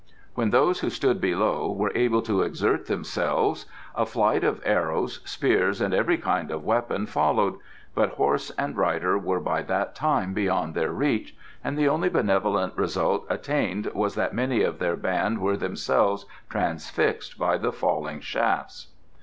When those who stood below were able to exert themselves a flight of arrows, spears and every kind of weapon followed, but horse and rider were by that time beyond their reach, and the only benevolent result attained was that many of their band were themselves transfixed by the falling shafts.